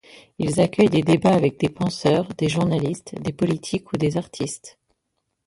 Ils accueillent des débats avec des penseurs, des journalistes, des politiques ou des artistes.